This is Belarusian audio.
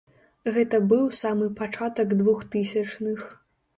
Гэта быў самы пачатак двухтысячных.